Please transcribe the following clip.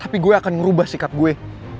tapi gue akan merubah sikap gue